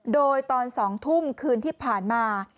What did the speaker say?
โดยตอน๒ทุ่มคืนที่ผ่านมา